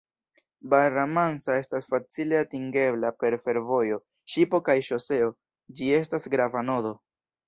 Barra Mansa estas facile atingebla per fervojo, ŝipo kaj ŝoseo, ĝi estas grava nodo.